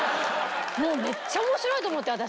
もうめっちゃ面白いと思って私。